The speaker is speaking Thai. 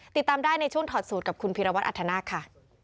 ติดตามได้ในช่วงถอดสูตรกับคุณพิรวัตรอัธนาคค่ะ